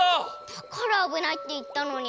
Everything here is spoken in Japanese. だからあぶないって言ったのに！